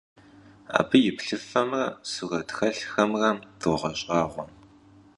Abı yi plhıfemre suret xelhxemre doğeş'ağue.